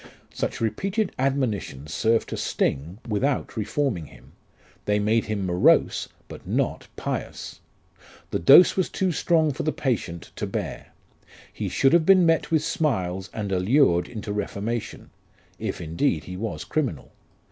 " Such repeated admonitions served to sting, without reforming him ; they made him morose, but not pious. The dose was too strong for the patient to bear. He should have been met with smiles, and allured into reformation ; if indeed he was criminal.